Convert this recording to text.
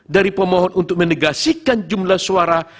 dari pemohon untuk menegasikan jumlah suara